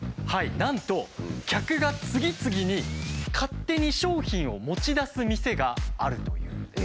なんと客が次々に勝手に商品を持ち出す店があるというんです。